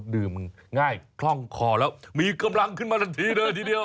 ดื่มง่ายคล่องคอแล้วมีกำลังขึ้นมาทันทีเลยทีเดียว